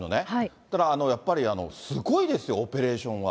そしたら、すごいですよ、オペレーションは。